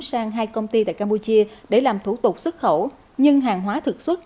sang hai công ty tại campuchia để làm thủ tục xuất khẩu nhưng hàng hóa thực xuất